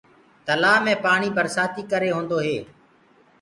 تلآه مي پآڻي برسآتي ڪري هوندو هي۔